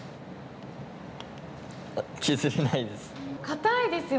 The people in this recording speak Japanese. あっ削れないです。